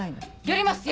やります！